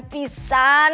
tidak pengertian pisang